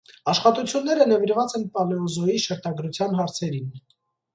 Աշխատությունները նվիրված են պալեոզոյի շերտագրության հարցերին։